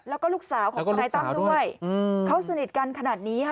แล้วก็ลูกสาวของทนายตั้มด้วยเขาสนิทกันขนาดนี้ค่ะ